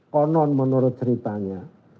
konon menurut ceritanya